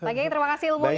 lagian terima kasih ilmunya